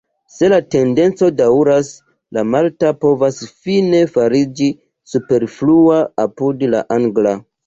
Se la tendenco daŭras, la malta povas fine fariĝi superflua apud la angla.